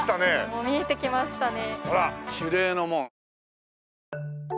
もう見えてきましたね。